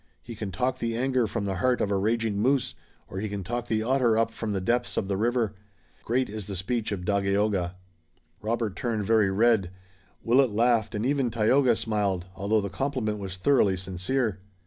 He can talk the anger from the heart of a raging moose, or he can talk the otter up from the depths of the river. Great is the speech of Dagaeoga." Robert turned very red. Willet laughed and even Tayoga smiled, although the compliment was thoroughly sincere.